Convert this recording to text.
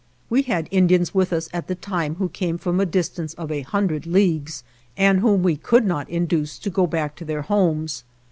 We had Indians with us at the time who came from a dis tance of a hundred leagues, and whom we could not induce to go back to their homes.